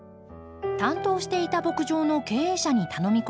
担当していた牧場の経営者に頼み込み